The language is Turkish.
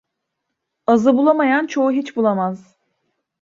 Azı bulamayan, çoğu hiç bulamaz!